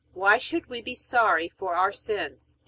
Why should we be sorry for our sins?